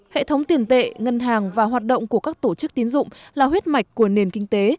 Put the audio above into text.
hệ thống tiền tệ ngân hàng và hoạt động của các tổ chức tiến dụng là huyết mạch của nền kinh tế